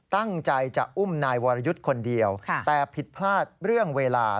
ตั้งใจจะอุ้มนายวรยุทธ์คนเดียวแต่ผิดพลาดเรื่องเวลา